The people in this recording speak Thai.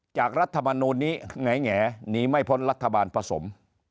จากรัฐบาลโน้นนี้ไงแหง่หนีไม่พ้นรัฐบาลผสม